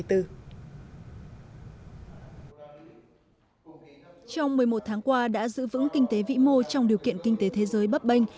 trong một mươi một tháng qua đã giữ vững kinh tế vĩ mô trong điều kiện kinh tế thế giới bấp bênh